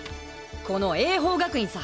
この英邦学院さ。